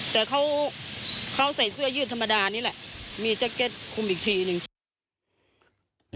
แต่เขาใส่เสื้อยืดธรรมดานี่แหละมีแจ็คเก็ตคุมอีกทีหนึ่ง